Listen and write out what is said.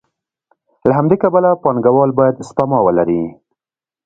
له همدې کبله پانګوال باید سپما ولري